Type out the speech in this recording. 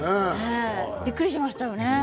びっくりしましたよね。